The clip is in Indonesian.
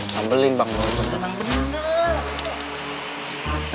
kambil limbak bawa bintang bener